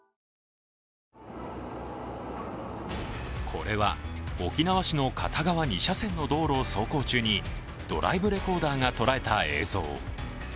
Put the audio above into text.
これは沖縄市の片側２車線の道路を走行中にドライブレコーダーがとらえた映像。